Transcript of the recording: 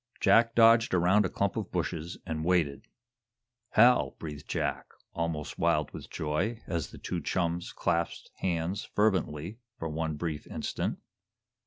Jack dodged around a clump of bushes and waited. "Hal!" breathed Jack, almost wild with joy, as the two chums clasped hands fervently for one brief instant.